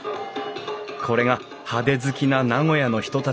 これが派手好きな名古屋の人たちに大受け。